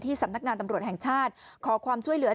สำนักงานตำรวจแห่งชาติขอความช่วยเหลือ